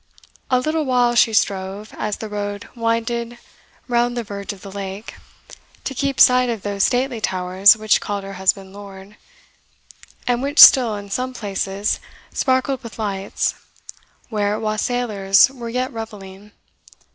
A little while she strove, as the road winded round the verge of the lake, to keep sight of those stately towers which called her husband lord, and which still, in some places, sparkled with lights, where wassailers were yet revelling.